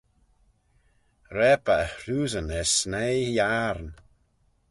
Raip eh e hroosyn er snaie-yiarn.